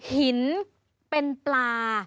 หินเป็นปลา